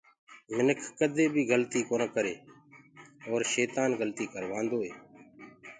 مٚنک ڪديئيٚ گلِت ڪآم ڪونآ ڪري اروُ شيتآن گلتيٚ ڪروآدوئي